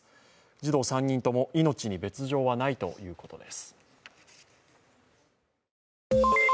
児童３人とも命に別状はないということです。